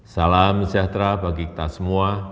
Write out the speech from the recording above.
salam sejahtera bagi kita semua